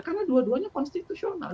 karena dua duanya konstitusional